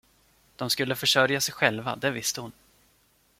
De skulle försörja sig själva, det visste hon.